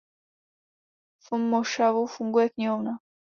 V mošavu funguje knihovna.